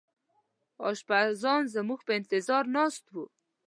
اشپزان زموږ په انتظار ناست وو.